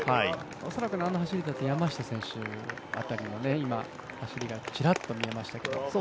恐らくあの走りだと山下選手辺りの走りがちらっと見えましたけど。